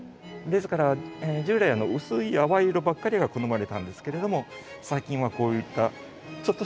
ですから従来薄い淡い色ばっかりが好まれたんですけれども最近はこういったちょっとした冒険した色。